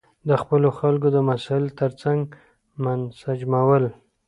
د خپلو خلکو د مسایلو ترڅنګ منسجمول.